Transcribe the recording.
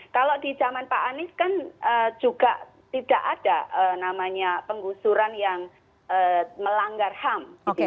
kalau di zaman pak anies kan juga tidak ada namanya penggusuran yang melanggar ham